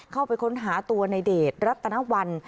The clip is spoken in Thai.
เข้าไปค้นหาตัวในเดชรัตนวัล